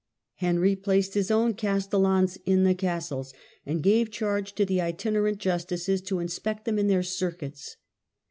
Henry placed his own castellans in the castles, and gave charge to the itinerant justices to inspect them in their circuits.